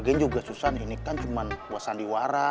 lagi juga susann ini kan cuma buat sandiwara